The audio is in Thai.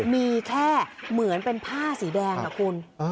มีแค่เหมือนเป็นผ้าสีแดงนะคุณ